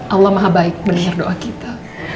allah maha baik mendengar doa kita